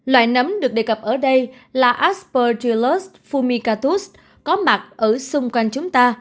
loại nấm được đề cập ở đây là aspergillus fumicatus có mặt ở xung quanh chúng ta